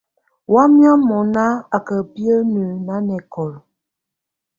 Wayɛ̀á mɔ̀ná á kà biǝ́nǝ́ nanɛkɔ̀la.